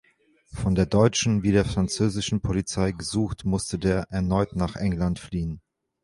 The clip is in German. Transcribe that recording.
Von der deutschen wie der französischen Polizei gesucht musste der erneut nach England fliehen.